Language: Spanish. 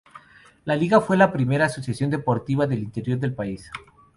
La Liga fue la primera asociación deportiva del interior del país.